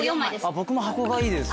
僕も箱がいいです。